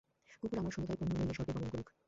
কুকুর আমার সমুদয় পুণ্য লইয়া স্বর্গে গমন করুক।